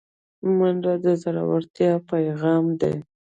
منډه د زړورتیا پیغام دی